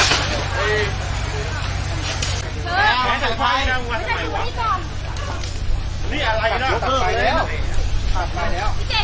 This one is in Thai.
กินกว่าอีกแล้วนะครับ